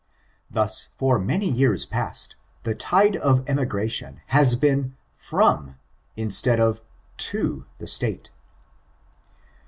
Thus, for many years past, the tide of emigration has been from instead of to the State.